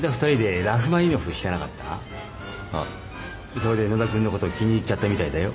それで野田君のことが気に入っちゃったみたいだよ。